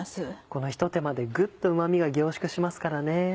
このひと手間でグッとうま味が凝縮しますからね。